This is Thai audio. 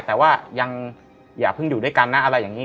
แต่ว่ายังอย่าเพิ่งอยู่ด้วยกันนะอะไรอย่างนี้